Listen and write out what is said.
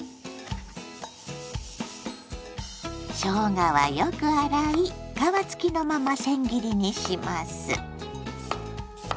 しょうがはよく洗い皮付きのまません切りにします。